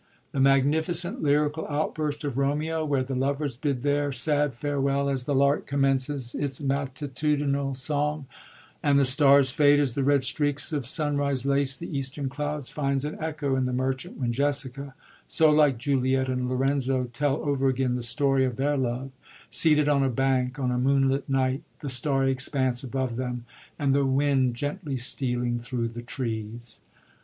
The magnificent lyrical outburst of BomeOf where the lovers bid their sad farewell as the lark commences its matu tinal song, and the stars fade as the red streaks of sunrise lace the eastern clouds, finds an echo in the Merchant^ when Jessica, so like Juliet^ and Lorenzo tell over again the story of their love, seated on a bank, on a moonlit nighty the starry expanse above them and the wind gently stealing thru the trees.